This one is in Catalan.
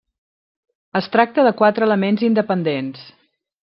Es tracta de quatre elements independents.